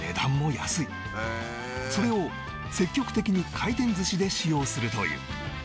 それを積極的に回転寿司で使用するという